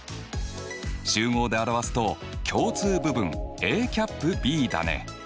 集合で表すと共通部分Ａ∩Ｂだね。